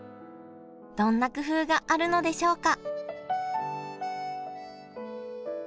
どんな工夫があるのでしょうか？